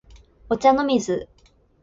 お茶の水